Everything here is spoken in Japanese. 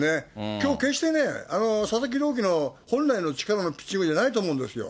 きょう、決してね、佐々木朗希の本来の力のピッチングじゃないと思うんですよ。